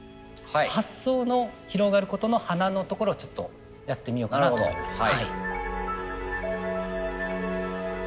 発想の広がることの華のところをちょっとやってみようかなと思います。